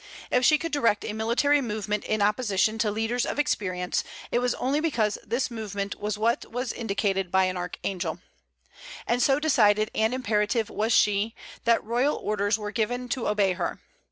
If she could direct a military movement in opposition to leaders of experience, it was only because this movement was what was indicated by an archangel. And so decided and imperative was she, that royal orders were given to obey her.